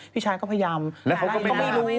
พี่ชายก็พยายามแล้วเขาก็ไม่รู้